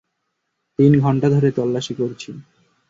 তিন ঘণ্টা ধরে তল্লাশী করছি।